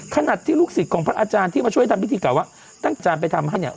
ขนาดที่ลูกศิษย์ของพระอาจารย์ที่มาช่วยทำพิธีกล่าวว่าตั้งจานไปทำให้เนี่ย